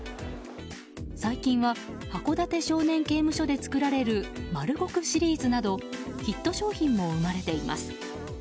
最近は函館少年刑務所で作られるマル獄シリーズなどヒット商品も生まれています。